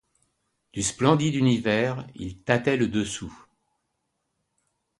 Du, splendide Univers il tâtait le dessous ;